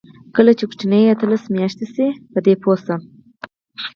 کله چې ماشوم اتلس میاشتنۍ شي، په دې پوه شي.